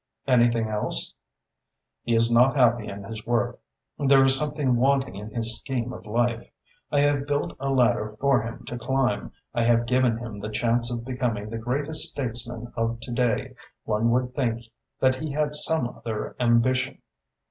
"Anything else?" "He is not happy in his work. There is something wanting in his scheme of life. I have built a ladder for him to climb. I have given him the chance of becoming the greatest statesman of to day. One would think that he had some other ambition."